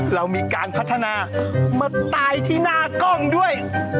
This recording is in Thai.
เรามีการพัฒนามาตายที่หน้ากล้องด้วย